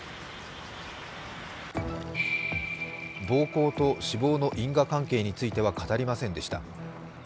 暴行と死亡の因果関係については語りませんでした。